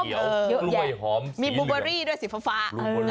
กล้วยหอมมีบูเบอรี่ด้วยสีฟ้า